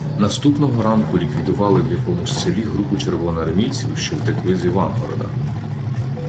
Наступного ранку ліквідували в якомусь селі групу червоноармійців, що втекли з Івангорода.